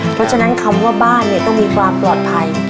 เพราะฉะนั้นคำว่าบ้านเนี่ยต้องมีความปลอดภัย